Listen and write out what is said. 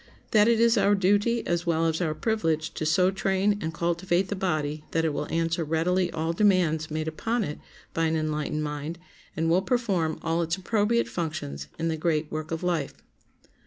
That it is our duty as well as our privilege to so train and cultivate the body that it will answer readily all demands made upon it by an enlightened mind, and will perform all its appropriate functions in the great work of life.